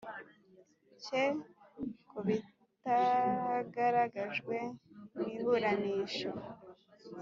Cye ku bitagaragajwe mu iburanisha